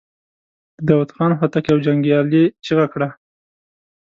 د داوود خان هوتک يوه جنګيالې چيغه کړه.